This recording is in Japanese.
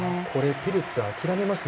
ピルツ諦めますね。